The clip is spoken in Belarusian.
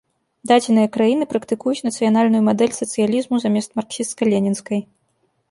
Дадзеныя краіны практыкуюць нацыянальную мадэль сацыялізму замест марксісцка-ленінскай.